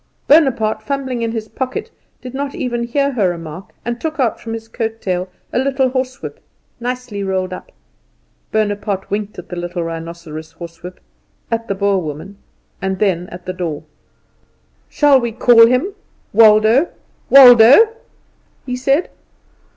Bonaparte, fumbling in his pocket, did not even hear her remark, and took out from his coat tail a little horsewhip, nicely rolled up. Bonaparte winked at the little rhinoceros horsewhip, at the Boer woman, and then at the door. "Shall we call him Waldo, Waldo?" he said.